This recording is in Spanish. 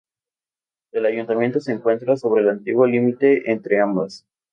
El ayuntamiento se encuentra sobre el antiguo límite entre ambas.